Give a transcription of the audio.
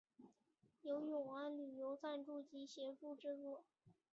由永安旅游赞助及协助制作。